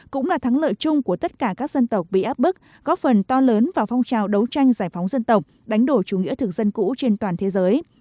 cũng là thắng lợi chung của tất cả các dân tộc bị áp bức góp phần to lớn vào phong trào đấu tranh giải phóng dân tộc đánh đổ chủ nghĩa thực dân cũ trên toàn thế giới